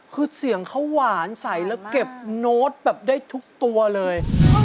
คือเสียงเขาหวานใสแล้วเก็บโน้ตแบบได้ทุกตัวเลย